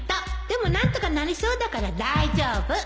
でも何とかなりそうだから大丈夫